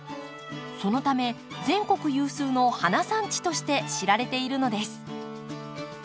そのため全国有数の花産地として知られているのです。